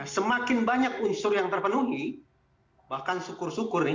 semakin banyak unsur yang terpenuhi bahkan syukur syukur nih